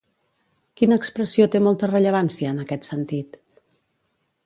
Quina expressió té molta rellevància, en aquest sentit?